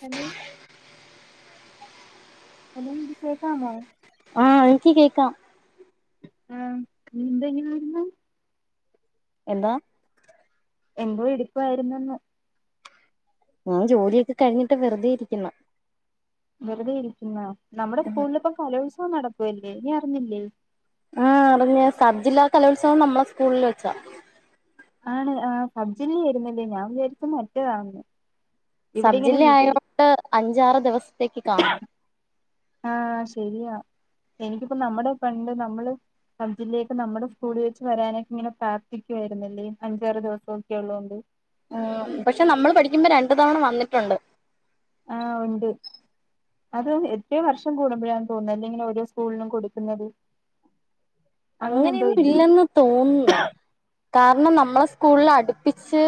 Hello hello ടികേക്കാമോ ആഹ് ഇൻക്ക് കേക്കാം. ആഹ് നീ ന്തങ്ങനെ വരുന്ന്? എന്താ? എന്തോ ഇടിപ്പായിരുന്നെന്ന്. ഞാൻ ജോലിയൊക്കെ കഴിഞ്ഞിട്ട് വെറുതെ ഇരിക്ക്ന്ന്. വെറുതെ ഇരിക്കുന്നോ. നമ്മുടെ സ്കൂളിലിപ്പോ കലോത്സവം നടക്കുവല്ലേ നീ അറിഞ്ഞില്ലേ? ആഹ് അറിഞ്ഞ് സബ്ജില്ല കലോത്സവം നമ്മളെ സ്കൂളില് വെച്ചാ. ആണ് ആഹ് സബ്ജില്ല ആയിരുന്നല്ലേ. ഞാൻ വിചാരിച്ച് മറ്റെതാണെന്ന്. സബ്ജില്ല ആയോണ്ട് അഞ്ചാറ് ദിവസത്തേക്ക് കാണും. ആഹ് ശരിയാ എനിക്കിപ്പം നമ്മടെ പണ്ട് നമ്മള് സബ്ജില്ലേക്ക് നമ്മടെ സ്കൂളിൽ വെച്ച് വരാനൊക്കെ ഇങ്ങനെ പ്രാർത്ഥിക്കുവായിരുന്നല്ലേ അഞ്ചാറ് ദിവസൊക്കെ ഒള്ളോണ്ട്. ഉം പക്ഷെ നമ്മള് പഠിക്കുമ്പോ രണ്ടു തവണ വന്നിട്ടൊണ്ട്. ആഹ് ഉണ്ട്. അത് എത്രയോ വർഷം കൂടുമ്പഴാണ് തോന്ന്ന്നല്ലേ ഇങ്ങനെ ഓരോ സ്കൂൾനും കൊടുക്കുന്നത്. അങ്ങനെ എന്തോ അങ്ങനെയൊന്നും ഇല്ലേ ഇല്ലെന്ന് തോന്ന് ന്ന്. കാരണം നമ്മളെ സ് കൂൾല് അടുപ്പിച്ച്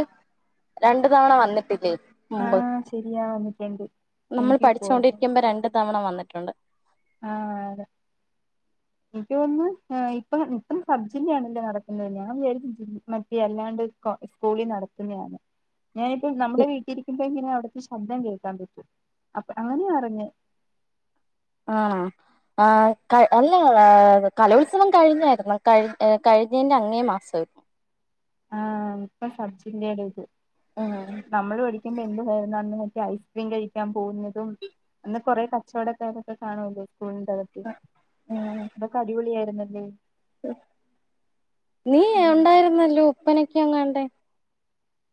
രണ്ടു തവണ വന്നിട്ടില്ലേ? മുമ്പ് ആഹ് ശരിയാ വന്നിട്ടുണ്ട് നമ്മൾ എനിക്കിപ്പോ ഓർമ്മ പഠിച്ചോണ്ടിരിക്കുമ്പ രണ്ട് തവണ വന്നിട്ടൊണ്ട്. ആഹ് അതെ എനിക്ക് തോന്ന്ന്ന്. ഏഹ് ഇപ്പം ഇപ്പം സബ്ജില്ലയാണല്ലോ നടക്കുന്നത് ഞാൻ വിചാരിച്ചു ജിൽ മറ്റേ അല്ലാണ്ട് പ്പൊ സ്കൂളിൽ നടത്തുന്നെയാന്ന്. ഞാനിപ്പം നമ്മടെ വീട്ടിലിരിക്കുമ്പം ഇങ്ങനെ അവിടത്തെ ശബ്ദം കേ ദം കേട്ട് അപ്പ അങ്ങനയാ അറിഞ്ഞേ. ആ ആ അല്ല കലോത്സവം കഴിഞ്ഞായിരുന്നു കഴ് കഴിഞ്ഞേന്റങ്ങേ മാസം ആഹ് ഇപ്പ സബജില്ലേടത് ഉം നമ്മൾ പഠിക്കുമ്പോ എന്തുവാരുന്നത് ഐസ്ക്രീം കഴിക്കാൻ പോകുന്നതും അന്ന് കൊറെേ കച്ചവടക്കാരൊക്കെ കാണല്ലേ സ്കൂളിന്റെകത്ത് ഉം അതൊക്കെ അടിപൊളി ആയിരുന്നല്ലേ നീ ഉം. ഉണ്ടായിരുന്നല്ലോ ഉപ്പനൊക്കെയങ്ങാണ്ടേ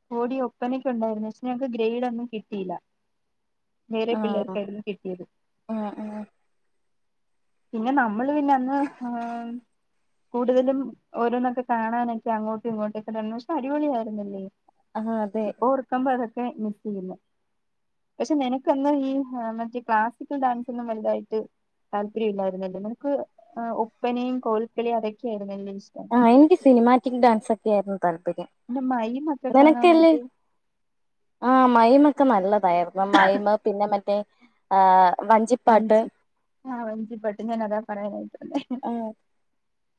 പോടി ഒപ്പനക്ക ഉണ്ടായിരുന്നു പക്ഷെ ഞങ്ങക്ക് ഗ്രേഡ് ഒന്നും കിട്ടിയില്ല വേറെ പിള്ളേർ ആഹ് കടന്ന് കിട്ടിയത് ആഹ് ആഹ് പിന്നെ നമ്മള് പിന്നെ അന്ന് ആ കൂടുതലും ഓരോന്നൊക്കെ കാണാനൊക്കെ അങ്ങോട്ടും ഇങ്ങോട്ടുമൊക്കെ പക്ഷെ അടിപൊളിയ ആരുന്നില്ലേ ആഹ് അതെ ഇപ്പൊ ഓർക്കുമ്പോ അതൊക്കെ മിസ് ചെയ്യുന്നു പക്ഷെ നിനക്കന്ന് ഈ മറ്റേ ക്ലാസിക്കൽ ഡാൻസ് ഒന്നും വലുതായിട്ട് താല്പര്യ ല്ലായിര്ന്നല്ലൊ. നിനക്ക് ഒപ്പനയും കോൽക്കളിയും അതൊക്കെ ആ എനിക്ക് സിനിമാറ്റിക് ഡാൻസ് ഒക്കെ ആയിരുന്നു താല്പര്യം എന്റെ മൈമ്ക്കെ നിനക്കല്ലേ കാണാനായിട്ട് മൊക്കെ നല്ലതായിരുന്നു മൈമ് പിന്നെ മറ്റേ വഞ്ചിപ്പാട്ട് മഞ്ജി ആഹ് മഞ്ജിപ്പട്ട് ഞാൻ അതാ പറയാനായിട്ടന്നെ ആഹ്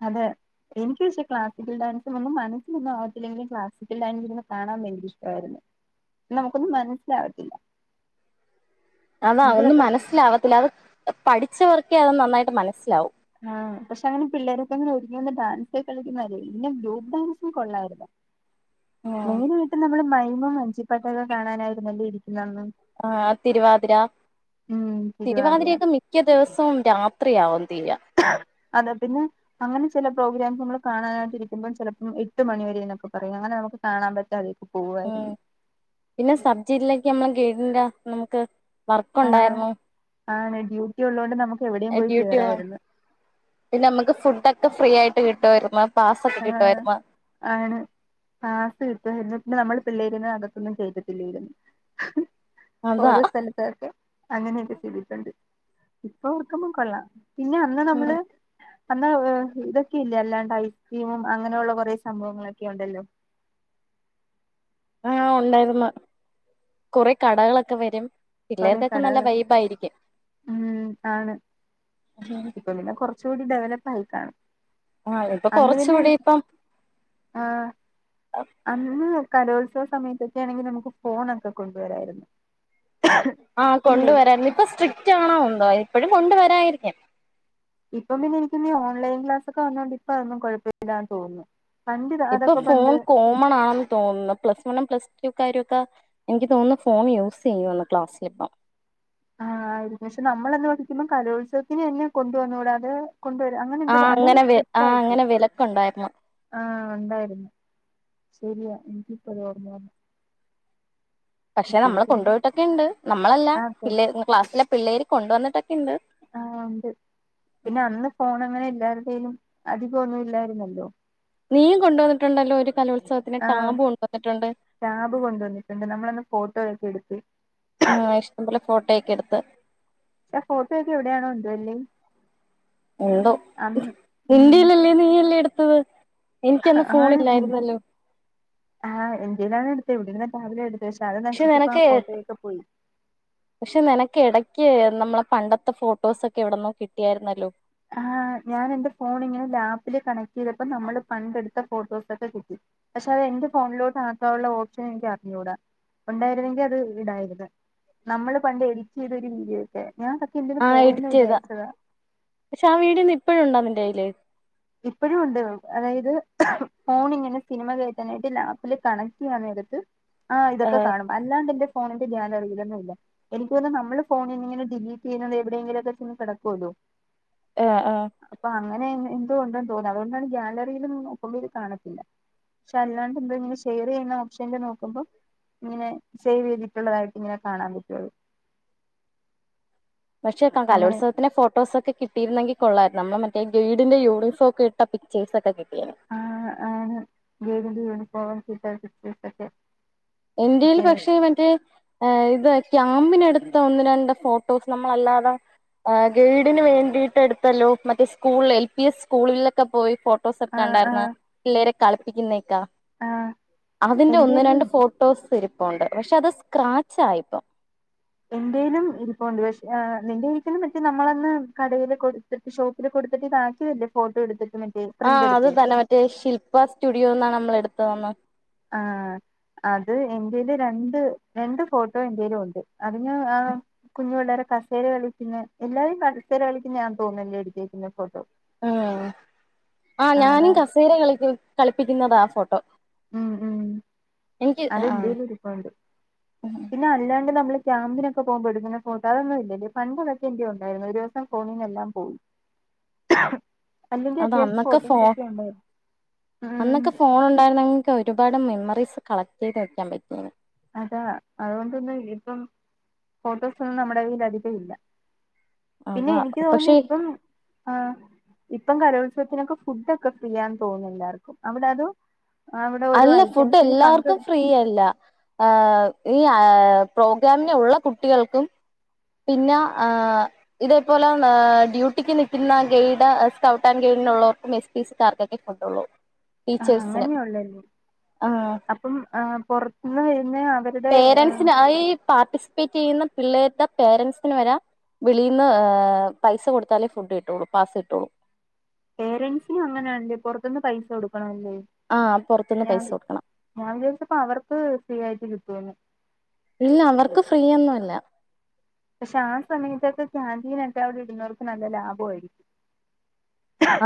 അതെ എനിക്ക് പക്ഷേ ക്ലാസിക്കൽ ഡാൻസും ഒന്നും മനസ്സിലൊന്നും ആവത്തില്ല എങ്കിലും ക്ലാസിക്കൽ ഡാൻസൊന്ന് കാണാൻ ഭയങ്കര ഇഷ്ടമായിരുന്നു നമുക്കൊന്നും മനസ്സിലാവത്തില്ല അതാ എനിക്കിതൊക്കെ ഒന്നും മനസ്സിലാവത്തില്ല അത് പഠിച്ചവർക്കെ അത് നന്നായിട്ട് മനസ്സിലാവും ആ പക്ഷെ അങ്ങനെ പിള്ളേരൊക്കെ അങ്ങനെ ഒരുങ്ങി ഡാൻസ് കളിക്കുന്നും പിന്നെ ഗ്രൂപ്പ് ഡാൻസും കൊള്ളാര്ന്ന ആഹ് മെയിന ആയിട്ട് നമ്മള് മൈമും മഞ്ചിപ്പാട്ടൊക്കെ കാണാനായിരുന്നല്ലേ ഇ ആ തിരുവാതിര ഉം തിരുവാതിര തിരുവാതിരയൊക്ക മിക്ക ദിവസവും രാത്രിയാവുന്നു അതെ പിന്നെ അങ്ങനെ ചില പ്രോഗ്രാം നമ്മൾ കാണാനായിട്ട് ഇരിക്കുമ്പ ചിലപ്പം എട്ട് മണി വരെന്നൊക്കെ പറയും അങ്ങനെ നമുക്ക് [unintelligible] ഉം പിന്നെ സബ്ജില്ലക്കെ നമ്മള ഗൈടിന്റ നമുക്ക് വർക്കുണ്ടായിരുന്നു ആ ഡ്യൂട്ടി ഉള്ളോണ്ട് നമുക്ക് എവിടെയും പോയി ഡ്യൂട്ടി ആണ് കേറായിരുന്നു പിന്നെ നമുക്ക് ഫുഡക്കെ ഫ്രീ ആയിട്ട് കിട്ടുവായിരുന്ന് ആ ആണ് ആ സീത്ത പിന്നെ നമ്മൾ പിള്ളേരിനെ അകത്തൊന്നും കേറ്റത്തില്ലേയിരുന്നു അതാ ഓരോ സ്ഥലത്തൊക്കെ അങ്ങനെയൊക്കെ ചെയ്തിട്ടുണ്ട് ഇപ്പൊ ഓർക്കുമ്പ കൊള്ളാം പിന്നെ അന്ന് നമ്മള് അന്ന് ഇതൊക്കെ ഇല്ല അല്ലാണ്ട ടീമും അങ്ങനെയുള്ള കുറെ സംഭവങ്ങളൊക്കെ ഉണ്ടല്ലോ ആഹ് ഉണ്ടായിരുന്ന കൊറെ കടകളൊക്കെ വരും കൊറെേ പിള്ളേർക്കൊക്കെ നല്ല കടകളൊക്കെ വൈബായിരിക്കും ഉം ആണ് ഇപ്പൊ പിന്നെ കുറച്ചൂടി ഡെവലപ്പ് ആയി കാണും ആഹ് ഇപ്പൊ അന്ന് കുറച്ചുകൂടി പിന്നെയി ഇപ്പം ആഹ് അന്ന് കലോത്സവ സമയത്തൊക്കെ ആണെങ്കിൽ നമുക്ക് ഫോൺ ഒക്കെ കൊണ്ടുവരായിരുന്നു ആ അല്ലേ കൊണ്ടുവരാരുന്നു ഇപ്പൊ സ്ട്രിക്റ്റ് ആണോ ന്തോ ഇപ്പോഴും കൊണ്ടുവരായിരിക്കാം ഇപ്പൊ പിന്നെ എനിക്ക് നീ ഓൺലൈൻ ക്ലാസ്സൊക്കെ വന്നോണ്ട് ഇപ്പൊ അതന്നും കുഴപ്പമില്ലാന്ന് തോന്നുന്നു പണ്ട് ഇപ്പൊ അതൊക്കെ ഫോൺ പണ്ട് കോമണാന്ന് തോന്നുന്നു പ്ലസ് വൺ പ്ലസ് ഒക്കെ എനിക്ക് തോന്നുന്നു ഫോൺ യൂസ് ചെയ്യുന്ന് ക്ലാസ്സിലിപ്പം ആ ആയിരുന്നു പക്ഷെ നമ്മളന്ന് പഠിക്കുമ്പോ കലോത്സവത്തിന് തന്നെ കൊണ്ട വന്നുകൂടാ കൊണ്ടുവരും അങ്ങനെ എന്ത ആഹ് അതും അങ്ങനെ വെ സ്ട്രിക്റ്റ് ആഹ് ആയിട്ട് അങ്ങനെ വിലക്കുണ്ടായിരുന്നു ആ ഉണ്ടായിരുന്നു ശരിയാ എനിക്ക് ഇപ്പഴാ ഓർമ വന്ന്. പക്ഷെ നമ്മള് കൊണ്ടു പോയിട്ടൊക്കെ ഉണ്ട്. നമ്മളല്ല ആ കൊ പിള്ളേ ക്ലാസ്സിലെ പിള്ളേര് കൊണ്ടുവന്നിട്ടൊ ആഹ് ഉണ്ട്. പിന്നെ അന്ന് ഫോൺ അങ്ങനെ എല്ലാരുടേലും അധികം ഒന്നും ഇല്ലായിരുന്നല്ലോ നീയും കൊണ്ടുവന്നിട്ടുണ്ടല്ലോ ഒരു കലോൽ ആ ടാബ് കൊണ്ടുവന്നിട്ടുണ്ട് നമ്മളെ അന്ന് ഫോട്ടോയൊക്കെ എടുത്ത് ആഹ് ഇഷ്ടംപോലെ ഫോട്ടോക്കെ എടുത്ത് ആ ഫോട്ടോ ഒക്കെ എവിടെയാണോ എന്തുവല്ലേ എവിടോ ഉം എന്റെയിലല്ല നീല്ലേ എടുത്തത് എനിക്കന്ന് ഫോണ ആണ് ഇല്ലായിരുന്നല്ലോ ആഹ് എന്റേയിലാണ് എടുത്തത് ഇവിടെരുന്നാ ടാബിലാ എടു പക്ഷേ അത് പക്ഷെ നശിച്ചപ്പോ ആ നിനക്ക് ഫോട്ടോയിലൊക്കെ പോയി പക്ഷെ നിനക്ക് ഇടക്ക് നമ്മളെ പണ്ടത്തെ ഫോട്ടോസോ ഒക്കെ എവിടുന്നോ കിട്ടിയായിരുന്നല്ലോ ആഹ് ഞാനെന്റെ ഫോണെ ഇങ്ങനെ ലാപ്പില് കണക്ട് ചെയ്തപ്പോ നമ്മളെ പണ്ടെടുത്ത ഫോട്ടോസൊക്കെ കിട്ടി പക്ഷെ അത് എന്റെ ഫോണിലോട്ട് ആക്കാനുള്ള ഓപ്ഷൻ എനിക്ക് അറിഞ്ഞൂടാ ഉണ്ടായിരുന്നെങ്കിൽ അത് ഇടായിരുന്നു നമ്മളെ പണ്ട് എഡിറ്റ് ചെയ്ത ഒരു വീഡിയോ ഒക്കെ ഞാൻ കക്കി എന്ന്അതെ പോയിന്ന് വിചാരിച്ചതാ പക്ഷേ ആ വീഡിയോ ഇപ്പോൾ ഉണ്ടോ നിന്റെ കയ്യിൽ ഇപ്പോഴും ഉണ്ട് അതായത് ഫോണിങ്ങനെ സിനിമ കയറ്റാനായിട്ട് ലാപ്പില് കണക്ട് ചെയ്യാൻ നേരത്ത് ആ ഇതൊക്കെ ആഹ് കാണും അല്ലാ അല്ലാനെന്റെ ഫോണിന്റെ ഗ്യാലറി എങ്ങുമില്ല എനിക്ക് തോന്നുന്നത് നമ്മള് ഫോണിലെ ഡിലീറ്റ് ചെയ്യുന്നത് എവിടെയെങ്കിലുക്കെ ചെന്ന് കിടക്കുവല്ലോ [unintelligible] ആഹ് ആഹ്‌ അപ്പൊ അങ്ങനെ എന്തോ ഉണ്ടെന്നു തോന്നുന്നു അതുകൊണ്ടാണ് ഗ്യാലറിയിലും നോക്കുമ്പോത് കാണത്തില്ല പക്ഷെ അല്ലാണ്ടേ എന്തോ ഇങ്ങെ ഷെയർ ചെയ്യുന്ന ഓപ്ഷനിലെ നോക്കുമ്പോ ഇങ്ങനെ സേവ് ചെയ്തിട്ടുള്ളതായിട്ട് ഇങ്ങനെ കാണാൻ പറ്റുതെ പക്ഷേതാൻ കലോത്സവത്തിന്റെ ഫോട്ടോസൊക്കെ കിട്ടിയിരുന്നെങ്കിൽ കൊള്ളരുന്നു നമ്മ മറ്റേ ഗൈഡിന്റെ യൂണിഫോം ഒക്കെ ഇട്ട പിക്ചേഴസ ഒക്കെ കിട്ട ആഹ്‌ ആന്നു ഗൈഡിന്റെ യൂണിഫോം ഒക്കെ ഇട്ട പിച്ചേഴ്സ് ഒക്കെ എന്റെയിൽ പക്ഷെ കിട്ടിയേനേഷം മറ്റേ ഇത ക്യാമ്പിനെടുത്ത ഒന്ന് രണ്ട് ഫോട്ടോസ് നമ്മളല്ലാതെ ആ ഗൈഡിന് വേണ്ടിട്ടെടുത്തല്ലോ മറ്റേ സ്കൂള്ല് എൽ പി എസ് സ്കൂളിലൊക്കെ പോയി ഫോ ആ ആ ട്ടോസ്ക്കെണ്ടാർന്ന് പിള്ളേരെ കളിപ്പിക്കുന്നെക്ക ആ അതിന്റെ ഒന്ന് എന്റെലും രണ്ട് ഫോ സ് രിപ്പുണ്ട് പക്ഷെ അത് സ്ക്രാച്ചായിപ്പം എന്റെലും ഇരിപ്പുണ്ട് പഷ് ആ നിന്റെ ഇരിക്കണ മറ്റേ നമ്മളന്ന് കടെല് കൊടുത്തിട്ട് ഷോപ്പില് കൊടുത്തിട്ട് ഇതാക്കിയതല്ലേ ഫോട്ടോ എടുത്ത് ആ അത് തന്നെ മറ്റേ ശില്പ സ്റ്റുഡിയോന്നാണ് നമ്മളെടുത്തതന്ന് ആ അത് എന്റെല് രണ്ട് രണ്ട് ഫോട്ടോ എന്റെല് ഒണ്ട് അത് ഞ ആ കുഞ്ഞു പിള്ളേരെ കസേര കളിക്കുന്നെ എല്ലാരേം സേര കളിക്കുന്ന്യാ തോന്നുന്നു എന്റെല് എട്ത്തേക്കുന്ന ഫോട്ടം ആ ആ അതാ ഞാനും കസേര കളിക്കു കളിപ്പിക്കുന്നതാ ആ ഫോട്ടോ ഉം ഉം എനിക്ക് അത് ആഹ് ന്റെല്ര്പ്പുണ്ട് പിന്നല്ലാണ്ട് നമ്മള് ക്യാമ്പിനൊക്കെ പോകുമ്പോ എടുക്കുന്ന ഫോട്ടോ അതൊന്നും ഇല്ലലെ പണ്ട് അതൊക്കെ എന്റെ ഉണ്ടായിരുന്നു ഒരു ദിവസം ഫോണീന്നെല്ലാം പോയി അല്ലെങ്കി അത അത്യാവശ്യം അന്നൊക്കെ ഫോൺ ഫോട്ടോസൊക്കെ ഉണ്ടാ അന്നൊക്കെ ഫോണുണ്ടായിരുന്നെങ്കി ഒരുപാട് മെമ്മറീസ് കളക്ട് ചെയ്ത് വെക്കാൻ പറ്റ്യേനെ അതാ അതോണ്ട് ഇന്ന് ഇപ്പം ഫോട്ടോസൊന്നും നമ്മുടെ കയ്യിൽ അധികം ഇല്ല പിന്നെ അതാ എനിക്ക് തോന്നി പക്ഷെ ഇപ്പം ആ ഇപ്പം കലോത്സവത്തിനൊക്കെ ഫുഡൊക്കെ ഫ്രീയാ തോന്ന് എല്ലാവർക്കും അവടെ അതോ അവിടെ ഓരോ അല്ല ഐറ്റംസിൽ ഫുഡെല്ലാവക്കും പങ്കെടു ഫ്രീയല്ല അ ഈ പ്രോഗ്രാമിന് ഒള്ള കുട്ടികൾക്കും പിന്നെ ഇതേപോലെ ഡ്യൂട്ടിക്ക് നിൽക്കുന്ന ഗൈഡ് സ്കൗട്ട് ആൻഡ് ഗൈഡ് ുള്ളവർക്കും എസ് താർക്കൊക്കെ കൊണ്ടുള്ളൂ ആ അങ്ങനെയള്ളല്ലേ ആഹ് അപ്പം പുറത്തന്ന് വരുന്ന അവരുടെ പേരന്സിന് ആ പാർട്ടിസിപ്പേറ്റ് ചെയ്യുന്ന പിള്ളേടെ പേരൻറ്സിന് വര വിളിന്ന് പൈസ കൊടുത്താലേ ഫുഡ് ഇട്ടോളൂ പാസ ഇട്ടളു പേരന്റ്സിനും അങ്ങനെയാണ്ട് പുറത്തനിന്ന് പൈസ കൊടുക്കണം ആഹ് പുറത്തുന്ന് ഞാൻ പൈസ കൊടുക്കണം ചാർച്ച് ദിവസപ്പോ അവർക്ക് ഫ്രീ ആയിട്ട് കിട്ടന്ന് ഇല്ല അവർക്ക് ഫ്രീൊയോന്നുംല്ല പക്ഷെ ആ സമയത്തൊക്കെ ചാന്തിീനൊക്കെ അവിടെ ഇടുന്നോർക്കൊക്കെ നല്ല ലാഭായിരിക്കും ലാഭയിരിക്കും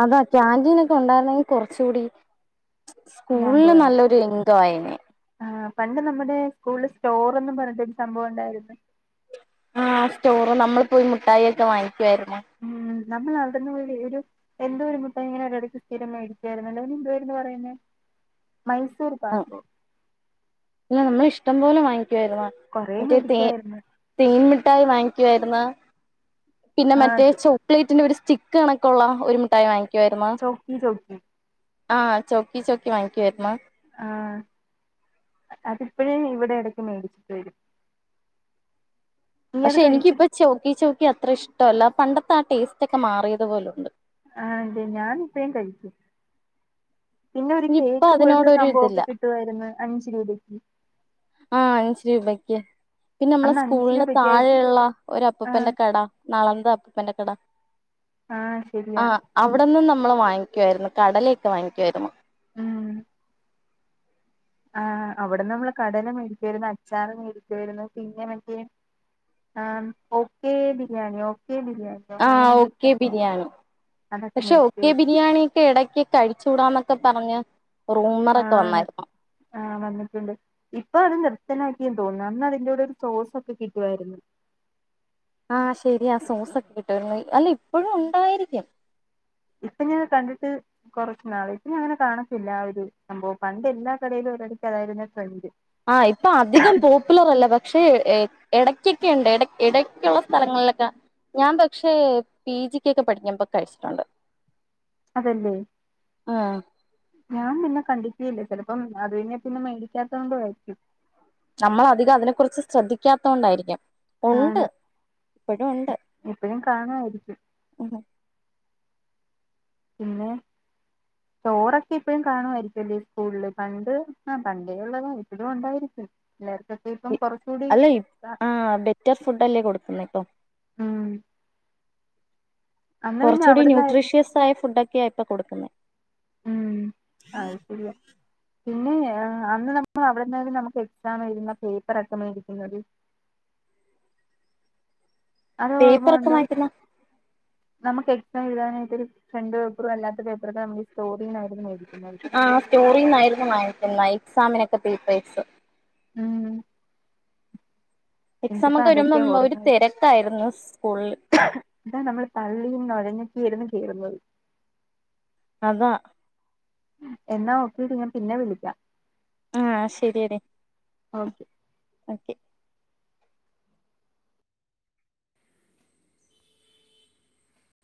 അതാ ക്യാാന്റീൻ ഒക്കെ ഉണ്ടായിരുന്നെങ്കിൽ കൊറച്ച കൂടി സ്കൂളില് ലാഭമായി നല്ലൊരു എന്തോ ആയിനെ കൂടുതൽ സ്റ്റോറ ഒന്നും പറഞ്ഞിട്ടൊരു സംഭവം ഉണ്ടായിരുന്നു ആഹ സ്റ്റോറ് നമ്മൾ പോയി മുഠായി ഒക്കെ വാങ്ങിക്കുവായിുന്ന ഉം നമ്മൾ നടന്ന്ഒരു എന്തോ ഒരു മുട്ടായി സ്ഥിരം മേടിച്ചായിരുന്നുല്ലോനി എന്തു വരുന്നു പറയുന്നത് മൈസൂർ ആ ബാക്കു ഇല്ല നമ്മൾ ഇഷ്ടം പോലെ വാങ്ങിക്കുവായിരുന്നു കൊറേ മറ്റേ തേ മേടിക്കുവായിരുന്നു തേൻമി യി വാങ്ങിക്കായിുന്ന പിന്നെ ആ മറ്റേ അത് ചോപലേറ്റിന്റെ ചിക്കണക്കുള്ള ഒക്കെ ഉള്ള ഒരു മിട്ടായി വാങ്ങിക്ക ചോക്കി ചോക്കി ആഹ് ചൊക്കി ചൊക്കി വാങ്ങിക്ക വരുന്നോ ആഹ അതിപ്പോഴേ ഇവിടെ ഇടക്ക് മേടിച്ചിട്ട് വരും നീ അത് പക്ഷെ കഴിച്ചി എനിക്കിപ്പ ചോക്കി ചോക്കി അത്ര ഇഷ്ടമല്ല പണ്ടത്തെ ആ ടേസ്റ്റ് ഒക്കെ മാറിയത്പോലുംണ്ട് ആഹ അല്ലെ ഞാാനിപ്പും കഴിക്കും പിന്നെ ഒരു ഇനിയിപ്പ കേക്ക് പോലത്തെ അതിനോടൊരു ഇതില്ല സംഭവൊക്കെ കിട്ടുവായിരുന്നു അഞ്ചു രൂപക്ക് ആഹ് അഞ്ച് രൂപക്ക് പിന്നെ നമ്മളെ അന്ന് അഞ്ച് സ്കൂളിന്റെ രൂപയ്ക്കായിരു താഴെയുള്ള ഒരു ആ അപ്പപ്പന്റെ കട നളന്ത അപ്പപ്പന്റെ കട ആ ശരിയാ ആഹ അവിടെന്ന് നമ്മൾ വാങ്ങിക്കുവായിരുന്നു കടലൊക്കെ വാങ്ങിക്കുവായിരുന്നു ഉം ആഹ അവിടെ നമ്മള് കടല മേടിക്ക വരുന്നു അച്ചാറ് മേടിക്ക വരുന്നു പിന്നെ മറ്റെ ആ ഓക്കെ ബിരിയാണി ഓ- ആ് ഓക്കെ ബിരിയാണി അതൊക്കെ പക്ഷെ ഓക്കെ മേടിക്കുവായിരുന്നു ബിരിയാണിക്കെ ഇടക്കൊക്കെ കഴിച്ചൂടാ ഒക്കെ പറഞ്ഞ ആണ് ആഹ് വന്നിട്ടുണ്ട് ഇപ്പൊ അതും നിർത്തി - ഭക്തനാക്കിയെന്ന് തോന്നുന്നു അന്ന് അതിന്റെറ കൂടെ ഒരു സോസ ഒക്കെ കിട്ടുവായിരുന്നു ആഹ ശെരിയാ സോസ്ക്കെ കിട്ടുവരുന്നു അല്ല ഇപ്പോഴും ഉണ്ടായിരിക്കും ഇപ്പൊ ഞാൻ കണ്ടിട്ട് കുറച്ച് നാള് ഇപ്പൊ ഞ അങ്ങനെ കാണത്തില്ല ആ ഒരു സംഭവം പണ്ട് എല്ലാ കടയിലും [unintelligible] ട്രെൻഡ് ആ ഇപ്പൊ അധികം പോപ്പുലർ അല്ല പക്ഷേ ഇടയ്ക്കൊക്കെുണ്ട് ഇടക്കുള്ള സ്ഥലങ്ങളിലൊക്കെ ഞാൻ പക്ഷേ പി ജിക്ക്കൊ ക്കെ പഠിക്ക്പൊ കഴിച്ചിട്ടുണ്ട് അതല്ലേ ആഹ് ഞാൻ പിന്നെ കണ്ടിട്ടേ യില്ലേ ചിലപ്പം അത് പിന്നെ മേടിക്കാത്ത കൊണ്ട ആരിക്കും നമ്മള അധികം അതിനെ കുുറിച്ച് ശ്രദ്ധിക്കാത്ത കൊണ്ടായിരിക്കും ആണ് എപ്പഴും കാണുമായിരിക്കും ഉം പിന്നെ ചോറൊക്കെ ഇപ്പഴും കാണുമായിരിക്കുംല്ലേ സ്കൂളില് പണ്ട് ആ പണ്ടേ ഉള്ളത ഇപ്പ യും ണ്ടായിരിക്കും ഉ ആ അല്ലെ ആ ബെറ്റർ ഫുഡ് അല്ലേ കൊടുക്കുന്ന ഇപ്പൊ ആ കുറച്ചുകൂടി ന്യൂട്രീഷ്യസ ആായ ഫുഡൊക്കെയാ ഇപ്പൊ കൊടുക്കുന്നത് ഉം അ ശരിയ പിന്നെ അന്ന് നമ്മൾ അവിടെന്നും നമുക്ക് എക്സാം എഴുതുന്ന പേപ്പർ അക്കെ മേടരിക്കുന്നത് [inaudible] പേപ്പർ ഒക്കെ ഉണ്ടോ വായിക്കുന്ന നമുക്ക് എക്സാം എഴുനായിട്ടൊ ഒരു ഫ്രണ്ട് പേപ്പറുംല്ലാത്ത പേപ്പറൊക്കെ നമ ആ സ്റ്റോറിന്നായിരുന്നു വാങ്ങിക്കുന്ന എക്സാമിനൊക്കെ പേപ്പേഴ്സ് ഉം എക്സാം എനിക്കിപ്പ ഒക്കെ അതൊക്കെ വരുമ്പോ ഒരു ഓർമ്മ വരും തിരക്കായിരുന്നു സ്കൂളില് ഇതാ നമ്മൾ തള്ളിയും നോഴഞ്ഞുകെ ചെയ്യുന്നത് അതാ എന്നാ ഓക്കേ ഡി ഞാൻ പിന്നെ വിളിക്കാം ആഹ ശരിയഡി ഓക്കെ ഓക്കെ